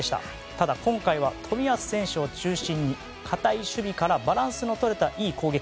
ただ、今回は冨安選手を中心に堅い守備からバランスのとれたいい攻撃。